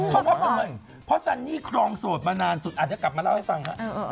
เพราะว่าพอซันนี่ครองโสดมานานสุดอาจจะกลับมาเล่าให้ฟัง